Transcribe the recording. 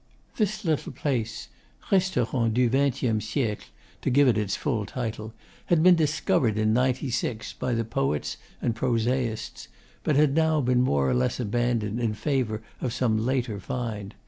This little place Restaurant du Vingtieme Siecle, to give it its full title had been discovered in '96 by the poets and prosaists, but had now been more or less abandoned in favour of some later find.